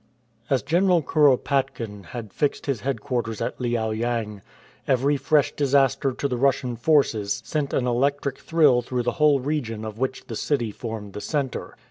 As General Kuropatkin had fixed his headquarters at Liao yang, every fresh disaster to the Rus^5ian forces sent an electric thrill through the whole region of which the city formed the centre.